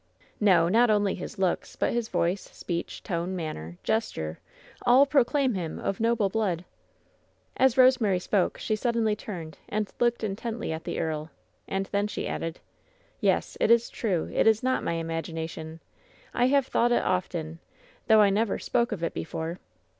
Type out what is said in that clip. "No! not only his looks, but his voice, speech, tone, manner, gesture — all proclaim him of noble blood!" As Rosemary spoke, she suddenly turned and looked intently at the earl, and then she added: 28 WHEN SHADOWS DIE '^Yes! It is true! It is not imagination! I hsLft thought of it often, though I never spoke of it before!"